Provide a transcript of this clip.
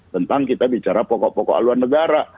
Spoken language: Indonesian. tentang kita bicara pokok pokok haluan negara